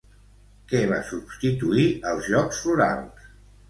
Què va substituir als Jocs Florals?